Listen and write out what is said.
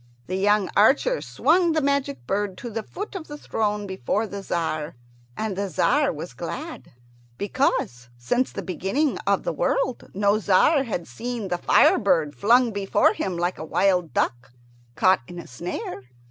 The young archer swung the magic bird to the foot of the throne before the Tzar; and the Tzar was glad, because since the beginning of the world no Tzar had seen the fire bird flung before him like a wild duck caught in a snare.